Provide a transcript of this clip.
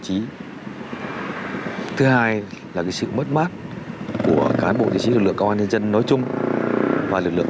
chí thứ hai là sự mất mát của cán bộ chiến sĩ lực lượng công an nhân dân nói chung và lực lượng